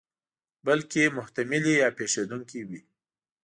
بلکې محتملې یا پېښېدونکې وي.